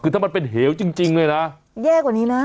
คือถ้ามันเป็นเหวจริงเลยนะแย่กว่านี้นะ